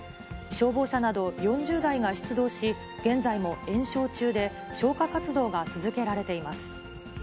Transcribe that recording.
消防車など４０台が出動し、現在も延焼中で、消火活動が続けられています。